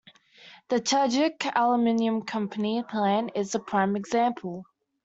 The Tajik Aluminum Company plant is a prime example.